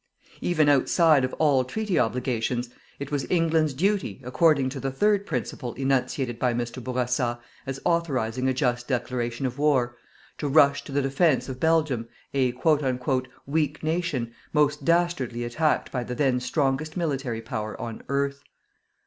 Even outside of all treaty obligations, it was England's duty, according to the third principle enunciated by Mr. Bourassa as authorizing a just declaration of war, to rush to the defense of Belgium, a "weak nation" most dastardly attacked by the then strongest military Power on earth.